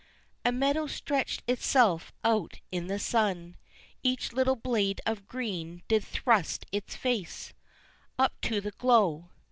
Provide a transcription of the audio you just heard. A meadow stretched itself out in the sun, Each little blade of green did thrust its face Up to the glow.